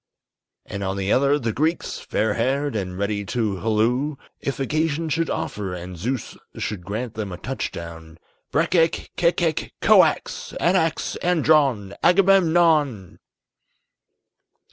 _" And on the other, the Greeks, fair haired, and ready to halloo, If occasion should offer and Zeus should grant them a touch down, "_Breck ek kek kek koax, Anax andron, Agamemnon!